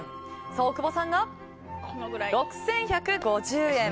大久保さんが６１５０円。